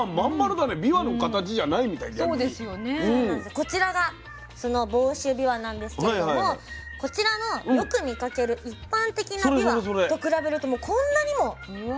こちらがその房州びわなんですけれどもこちらのよく見かける一般的なびわと比べるともうこんなにも大きいんですね。